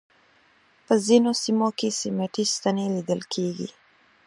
په ځینو سیمو کې سیمټي ستنې لیدل کېږي.